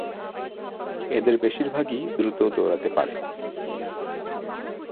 এদের বেশিরভাগই দ্রুত দৌড়াতে পারে।